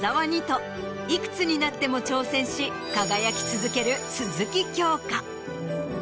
いくつになっても挑戦し輝き続ける鈴木京香。